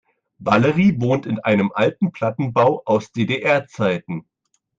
Valerie wohnt in einem alten Plattenbau aus DDR-Zeiten.